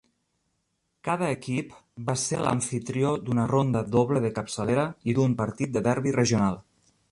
Cada equip va ser l'amfitrió d'una ronda doble de capçalera i d'un partit de derbi regional.